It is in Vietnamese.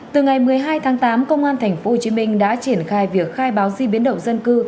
từ ngày một mươi hai tháng tám công an tp hồ chí minh đã triển khai việc khai báo di biến động dân cư